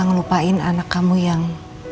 ngelupain anak kamu yang